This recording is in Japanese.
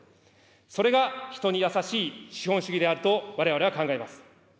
それが人にやさしい資本主義であるとわれわれは考えます。